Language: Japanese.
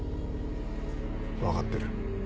分かってる。